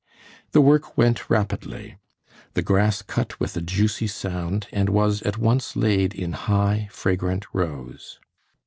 The work went rapidly. The grass cut with a juicy sound, and was at once laid in high, fragrant rows.